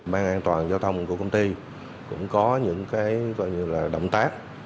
ban an toàn giao thông của công ty cũng có những cái gọi như là động tác